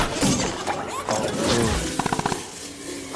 آۆگۉۮ